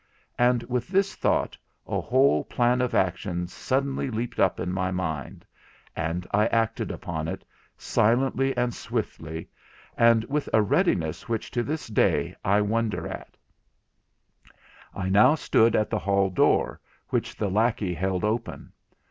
And with this thought a whole plan of action suddenly leaped up in my mind; and I acted upon it, silently and swiftly, and with a readiness which to this day I wonder at. I now stood at the hall door, which the lackey held open.